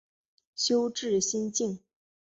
修智心净。